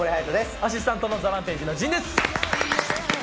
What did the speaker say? アシスタントのＴＨＥＲＡＭＰＡＧＥの陣です。